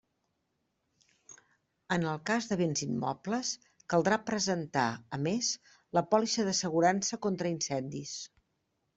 En el cas de béns immobles, caldrà presentar, a més, la pòlissa d'assegurança contra incendis.